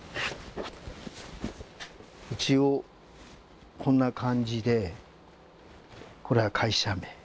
一応こんな感じでこれは会社名。